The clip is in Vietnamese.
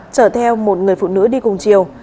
chở theo một người phụ nữ đi cùng chiều